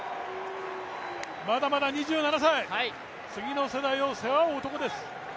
まだまだ２７歳、次の世代を背負う男です。